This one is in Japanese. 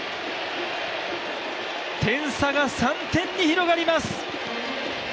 点差が３点に広がります。